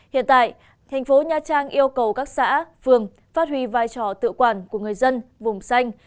hiện tại thành phố nha trang yêu cầu các xã phường phát huy vai trò tự quản của người dân vùng xanh